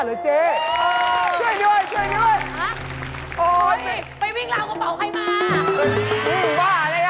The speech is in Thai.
เหมือนเจ๊ของขาดน่ะ